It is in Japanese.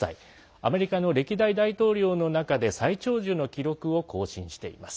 アメリカの歴代大統領の中で最長寿の記録を更新しています。